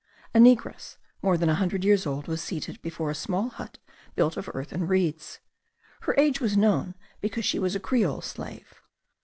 A negress more than a hundred years old was seated before a small hut built of earth and reeds. Her age was known because she was a creole slave.